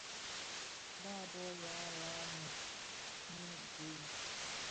Bàb bôg yàa lanën bi ngüel.